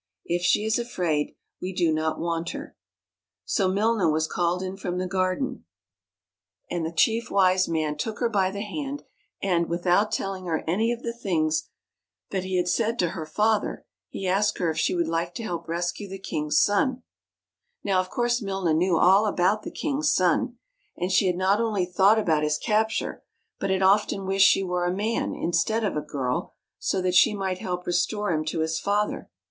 If she is afraid, we do not want her." So Milna was called in from the garden, and the THE CASTLE UNDER THE SEA Chief Wise Man took her by the hand, and, without telling her any of the things that he had said to her father, he asked her if she would like to help rescue the king's son. Now of course Milna knew all about the king's son; and she had not only thought about his capture, but had often wished she were a man, instead of a girl, so that she might help restore him to his father.